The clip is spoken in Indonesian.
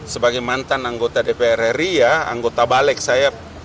sebagai mantan anggota dpr ri ya anggota balik saya